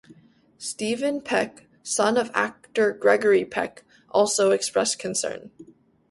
Stephen Peck, son of actor Gregory Peck, also expressed concern.